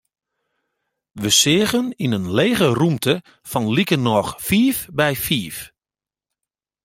Wy seagen yn in lege rûmte fan likernôch fiif by fiif.